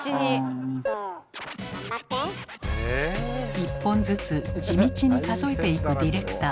１本ずつ地道に数えていくディレクター。